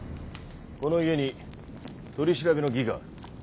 この家に取り調べの儀がある。